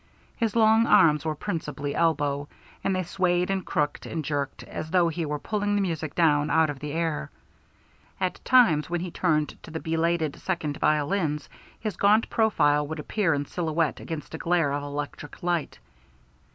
His long arms were principally elbow, and they swayed and crooked and jerked as though he were pulling the music down out of the air. At times when he turned to the belated second violins, his gaunt profile would appear in silhouette against a glare of electric light.